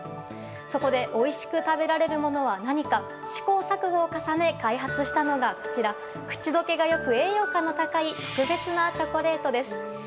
そこでおいしく食べられるものは何か試行錯誤を重ね、開発したのがくちどけがよく、栄養価の高い特別なチョコレートです。